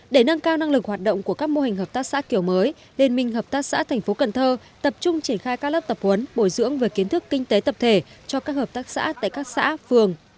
để nâng cao năng lực hoạt động của các mô hình hợp tác xã kiểu mới liên minh hợp tác xã thành phố cần thơ tập trung triển khai các lớp tập huấn bồi dưỡng về kiến thức kinh tế tập thể cho các hợp tác xã tại các xã phường